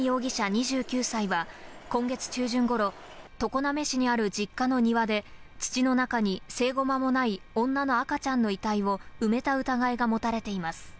２９歳は今月中旬頃、常滑市にある実家の庭で土の中に生後間もない女の赤ちゃんの遺体を埋めた疑いが持たれています。